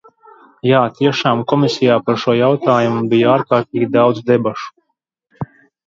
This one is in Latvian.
Jā, tiešām komisijā par šo jautājumu bija ārkārtīgi daudz debašu.